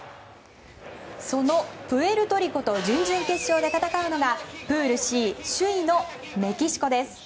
そのプエルトリコと準々決勝で戦うのがプールＣ首位のメキシコです。